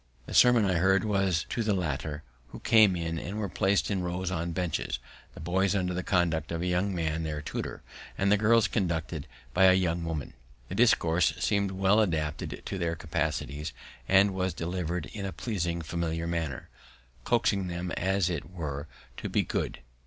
The sermon I heard was to the latter, who came in and were plac'd in rows on benches; the boys under the conduct of a young man, their tutor, and the girls conducted by a young woman. The discourse seem'd well adapted to their capacities, and was delivered in a pleasing, familiar manner, coaxing them, as it were, to be good.